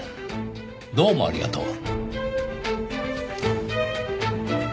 どうもありがとう。